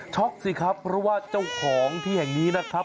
สิครับเพราะว่าเจ้าของที่แห่งนี้นะครับ